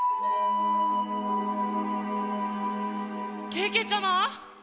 けけちゃま！